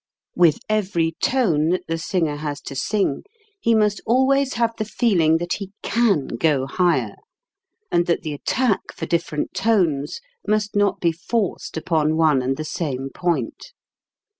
With every tone that the singer has to sing, DEVELOPMENT AND EQUALIZATION 155 he must always have the feeling that he can go higher, and that the attack for different tones must not be forced upon one and the same point.